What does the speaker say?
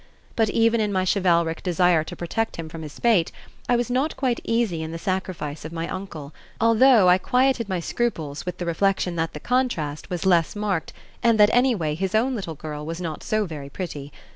But even in my chivalric desire to protect him from his fate, I was not quite easy in the sacrifice of my uncle, although I quieted my scruples with the reflection that the contrast was less marked and that, anyway, his own little girl "was not so very pretty."